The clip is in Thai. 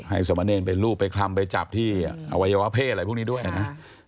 สมเนรไปรูปไปคลำไปจับที่อวัยวะเพศอะไรพวกนี้ด้วยนะ